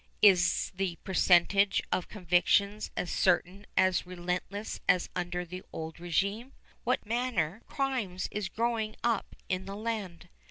(Is the percentage of convictions as certain and relentless as under the old régime? What manner of crimes is growing up in the land?)